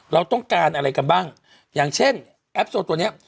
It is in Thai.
เราต้องการอะไรกันบ้างอย่างเช่นแอปโซตัวเนี้ย